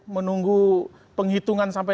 menunggu penghitungan sampai